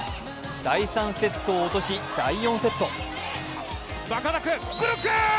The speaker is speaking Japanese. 第３セットを落とし、第４セット。